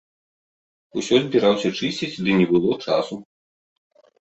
Усё збіраўся чысціць, ды не было часу.